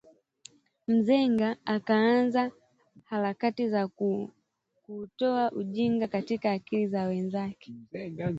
Nzenga akaanza harakati za kuutoa ujinga katika akili za wenzake